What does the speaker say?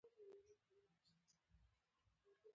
د خوست په ګربز کې د څه شي نښې دي؟